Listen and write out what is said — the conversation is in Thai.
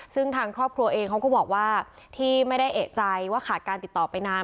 ซึ่งทางครอบครัวเองเขาก็บอกว่าที่ไม่ได้เอกใจว่าขาดการติดต่อไปนาน